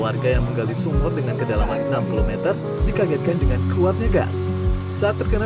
warga yang menggali sumur dengan kedalaman enam km dikagetkan dengan keluarnya gas saat terkena